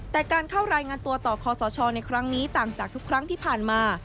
แต่การเข้ารายงานตัวต่อคอสชในครั้งนี้ต่างจากทุกครั้งที่ผ่านมา